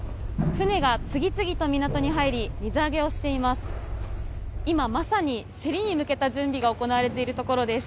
船が次々と港に入り、水揚げをしています。